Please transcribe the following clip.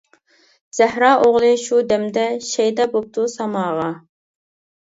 سەھرا ئوغلى شۇ دەمدە، شەيدا بوپتۇ ساماغا.